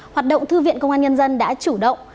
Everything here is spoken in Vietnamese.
hoạt động thư viện công an nhân dân đã chủ động